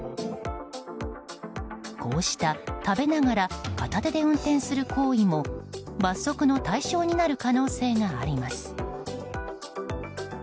こうした、食べながら片手で運転する行為も罰則の対象になる可能性があります。